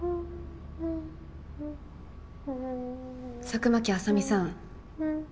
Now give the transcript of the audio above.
佐久巻麻美さん。